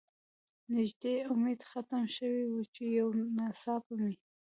نږدې امید ختم شوی و، چې یو ناڅاپه مې.